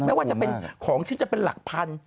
ไม่ว่าจะเป็นของที่จะเป็นหลักพัน